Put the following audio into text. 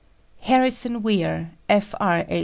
HARRISON WEIR, F.R.H.